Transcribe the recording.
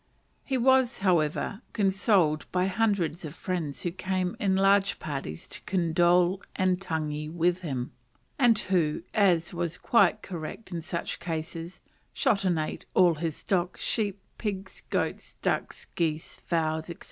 He was, however, consoled by hundreds of friends who came in large parties to condole and tangi with him, and who, as was quite correct in such cases, shot and ate all his stock, sheep, pigs, goats, ducks, geese, fowls, &c.